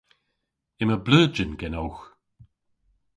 Yma bleujen genowgh.